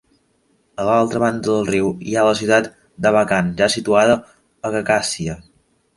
A l'altra banda del riu hi ha la ciutat d'Abakan ja situada a Khakàssia.